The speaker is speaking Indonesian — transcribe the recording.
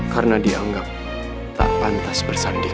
karena dianggap tak pantas bersanding